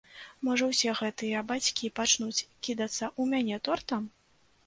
Можа, усе гэтыя бацькі пачнуць кідацца ў мяне тортам?